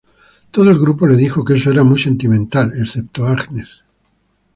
Todo el grupo le dijo que eso era muy sentimental excepto Agnes.